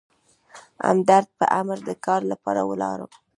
د همدرد په امر د کار لپاره ولاړم.